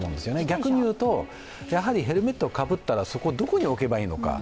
逆にいうと、ヘルメットをかぶったら、どこに置けばいいのか。